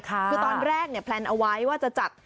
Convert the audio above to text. คือตอนแรกเนี่ยแพลนเอาไว้ว่าจะจัด